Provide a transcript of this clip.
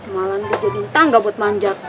malah ngejadin tangga buat manjat